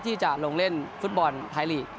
ที่จะลงเล่นฟุตบอลไทยลีก